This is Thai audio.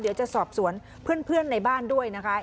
เดี๋ยวจะสอบสวนเพื่อนในบ้านด้วยนะคะ